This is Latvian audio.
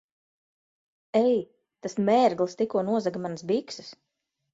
Ei! Tas mērglis tikko nozaga manas bikses!